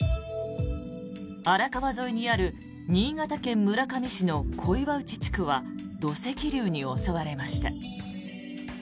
荒川沿いにある新潟県村上市の小岩内地区は土石流に襲われました。